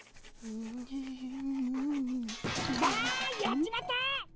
やっちまった！